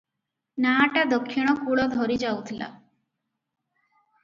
ନାଆଟା ଦକ୍ଷିଣ କୂଳ ଧରି ଯାଉଥିଲା ।